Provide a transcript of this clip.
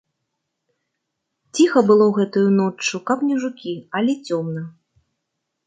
Ціха было гэтаю ноччу, каб не жукі, але цёмна.